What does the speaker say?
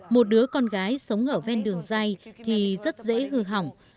một đứa con gái sống ở ven đường dây thì rất dễ hư hỏng